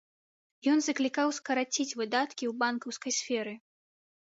Ён заклікаў скараціць выдаткі ў банкаўскай сферы.